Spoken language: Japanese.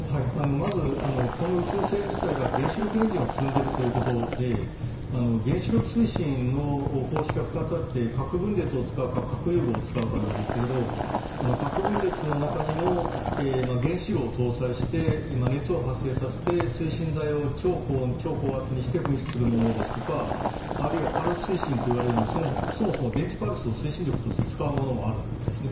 まず、この宇宙船自体が原子力エンジンを積んでいるということで原子力推進の方式は２つあって核分裂を使うか核融合を使うかなんですが核分裂の中にも原子炉を搭載して熱を発生させて、推進材を超高温、超高圧にして噴出するものですとかあるいはパルス推進といわれるようにそもそも電子パルスを推進力として使うものもあるんですね。